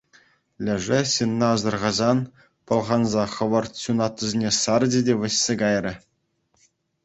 Лешӗ, ҫынна асӑрхасан, пӑлханса хӑвӑрт ҫунаттисене сарчӗ те вӗҫсе кайрӗ.